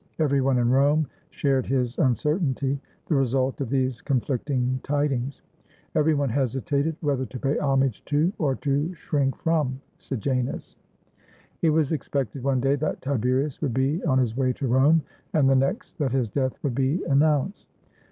Every one in Rome shared his uncertainty, the result of these conflicting tidings. Every one hesitated whether to pay homage to, or to shrink from Sejanus." It was expected one day that Tiberius would be on his way to Rome, and the next that his death would be an nounced.